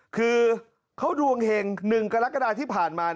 คือเขาดวงเห็ง๑กรกฎาที่ผ่านมา